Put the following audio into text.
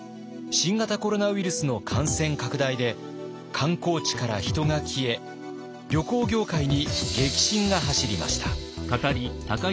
新型コロナウイルスの感染拡大で観光地から人が消え旅行業界に激震が走りました。